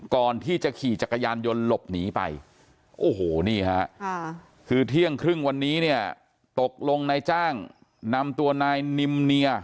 ก่อนที่จะขี่จักรยานยนต์หลบหนีไปโอ้โหนี่ฮะคือเที่ยงครึ่งวันนี้เนี่ยตกลงนายจ้างนำตัวนายนิมเนีย